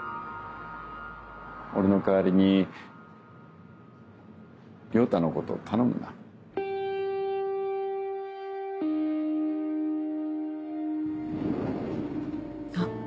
俺の代わりに良太のこと頼むなあっ